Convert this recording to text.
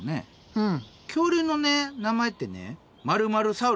うん。